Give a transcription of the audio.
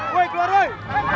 woy keluar woy